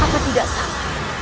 apa tidak sama